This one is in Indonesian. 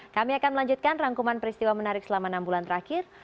kami akan melanjutkan rangkuman peristiwa menarik selama enam bulan terakhir